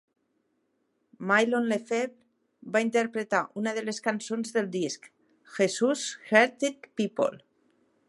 Mylon LeFevre va interpretar una de les cançons del disc, Jesus Hearted People.